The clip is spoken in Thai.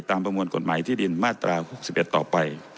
ประมวลกฎหมายที่ดินมาตรา๖๑ต่อไป